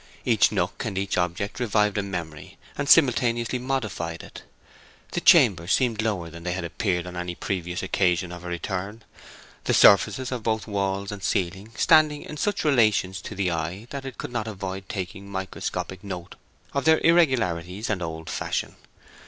Each nook and each object revived a memory, and simultaneously modified it. The chambers seemed lower than they had appeared on any previous occasion of her return, the surfaces of both walls and ceilings standing in such relations to the eye that it could not avoid taking microscopic note of their irregularities and old fashion.